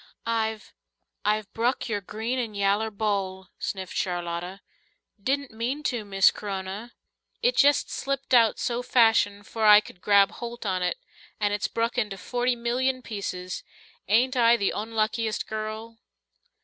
"I've I've bruk your green and yaller bowl," sniffed Charlotta. "Didn't mean to, Miss C'rona. It jest slipped out so fashion 'fore I c'd grab holt on it. And it's bruk into forty millyun pieces. Ain't I the onluckiest girl?"